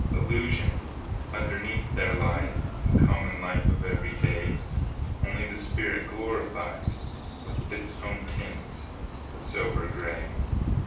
Illusion! Underneath there lies The common life of every day; Only the spirit glorifies With its own tints the sober gray.